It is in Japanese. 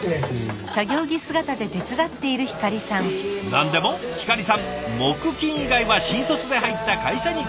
何でもひかりさん木金以外は新卒で入った会社に勤務。